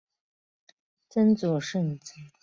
曾祖盛珰曾为吴越国余杭县令。